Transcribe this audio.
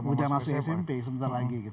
udah masuk smp sebentar lagi gitu